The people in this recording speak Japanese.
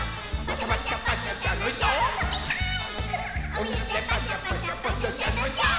「おみずでパシャパシャパシャシャのシャッ！」